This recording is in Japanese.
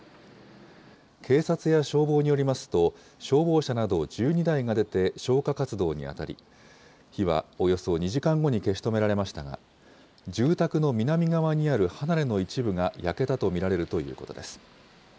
警察や消防によりますと、消防車など１２台が出て消火活動に当たり、火はおよそ２時間後に消し止められましたが、住宅の南側にある離れの一部が焼けたと見られるということです。